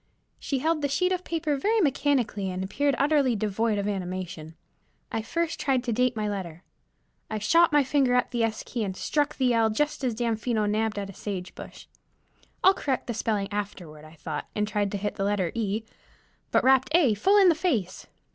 She held the sheet of paper very mechanically, and appeared utterly devoid of animation. I first tried to date my letter. I shot my finger at the S key and struck the L just as Damfino nabbed at a sage bush. I'll correct the spelling afterward I thought, and tried to hit the letter E, but rapped A full in the face.